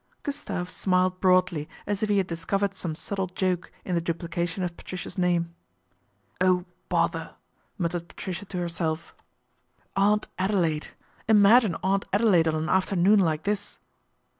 Gustave smiled broadly as if he had discovered some subtle joke in the duplication of Patricia's name. "Oh, bother!" muttered Patricia to herself. 78 PATRICIA BRENT, SPINSTER " Aunt Adelaide, imagine Aunt Adelaide on an afternoon like this."